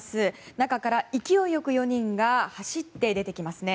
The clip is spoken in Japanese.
中から勢いよく４人が走って出てきますね。